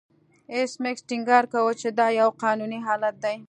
ایس میکس ټینګار کاوه چې دا یو قانوني حالت دی